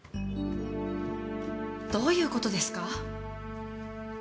どういう事ですか？